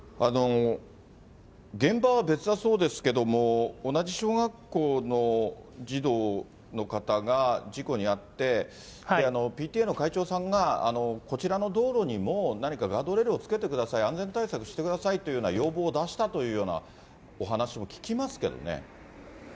現場は別だそうですけれども、同じ小学校の児童の方が事故に遭って、ＰＴＡの会長さんが、こちらの道路にも、何かガードレールをつけてください、安全対策してくださいというような要望を出したというようなお話も聞きますけどね。